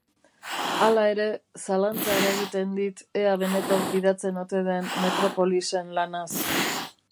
Hala ere, zalantza eragiten dit ea benetan fidatzen ote den Metropolisen lanaz.